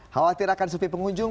khawatir akan sufi pengunjung